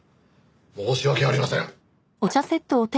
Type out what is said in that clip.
申し訳ありません。